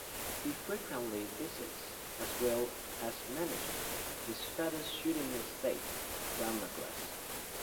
He frequently visits, as well as manages, his father's shooting estate, Dunmaglass.